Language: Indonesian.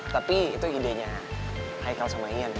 tapi itu idenya hikal sama ian